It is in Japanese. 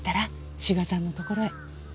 志賀さんのところへ。